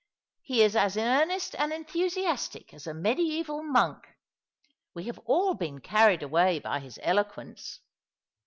He is as earnest and enthusiastic as a mediaeval monk. We have all been carried away by his eloquence.